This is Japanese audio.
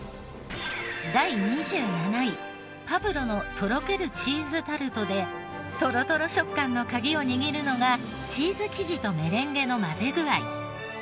第２７位パブロのとろけるチーズタルトでトロトロ食感の鍵を握るのがチーズ生地とメレンゲの混ぜ具合。